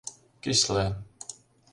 «КӰСЛЕ»